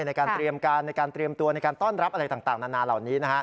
ในการเตรียมการในการเตรียมตัวในการต้อนรับอะไรต่างนานาเหล่านี้นะฮะ